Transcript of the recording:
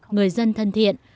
người dân thân thiện